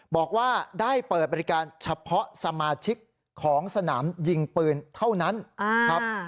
บอกว่าได้เปิดบริการเฉพาะสมาชิกของสนามยิงปืนเท่านั้นครับ